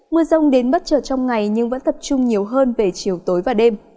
mưa rông đến bất chợt trong ngày nhưng vẫn tập trung nhiều hơn về chiều tối và đêm